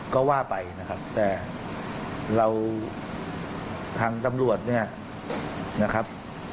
ก็ว่าไปนะครับแต่เราทางตำรวจเนี่ยนะครับ